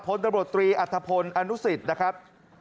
โพสต์ตำรวจตรีอรรถพลอนุสิตนะครับ